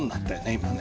今ね。